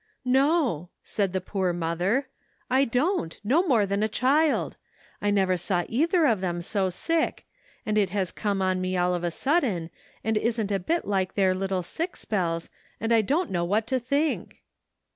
"No," said the poor mother, "I don't, no more than a child ; I never saw either of them so sick, and it has come on me all of a sudden, and isn't a bit like their little sick spells, and I don't know what to think."